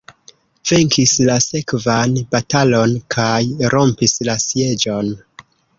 Venkis la sekvan batalon kaj rompis la sieĝon.